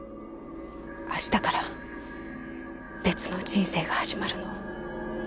明日から別の人生が始まるの。